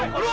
pak rt gps